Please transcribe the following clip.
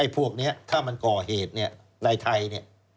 พวกนี้ถ้ามันก่อเหตุในไทย